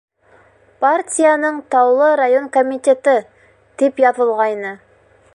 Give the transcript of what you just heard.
«Партияның Таулы район комитеты» тип яҙылғайны.